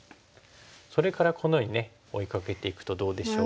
それからこのように追いかけていくとどうでしょう？